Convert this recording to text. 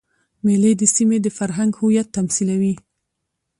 مېلې د سیمي د فرهنګ هویت تمثیلوي.